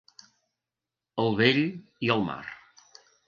El vell i el mar.